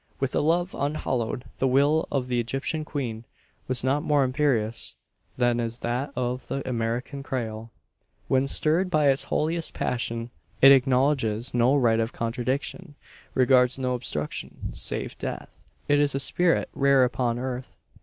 With a love unhallowed, the will of the Egyptian queen was not more imperious than is that of the American Creole, when stirred by its holiest passion. It acknowledges no right of contradiction regards no obstruction save death. It is a spirit rare upon earth.